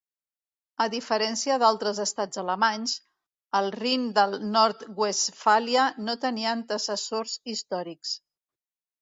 A diferència d'altres estats alemanys, el Rin del Nord-Westfàlia no tenia antecessors històrics.